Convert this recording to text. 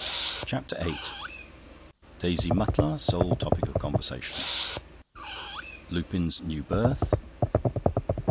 CHAPTER VIII Daisy Mutlar sole topic of conversation. Lupin's new berth.